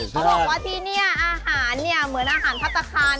เขาบอกว่าที่นี่อาหารเหมือนอาหารพัตรคาน